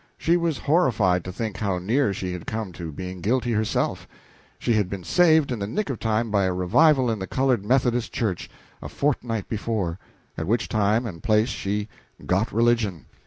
She was horrified to think how near she had come to being guilty herself; she had been saved in the nick of time by a revival in the colored Methodist Church, a fortnight before, at which time and place she "got religion."